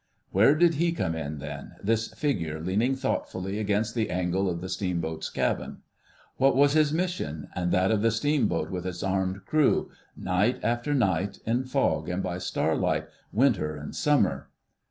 Where did he come in, then—this figure leaning thoughtfully against the angle of the steamboat's cabin? What was his mission, and that of the steamboat with its armed crew, night after night, in fog and by starlight, winter and summer...?